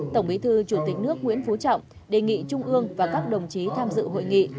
tổng bí thư chủ tịch nước nguyễn phú trọng đề nghị trung ương và các đồng chí tham dự hội nghị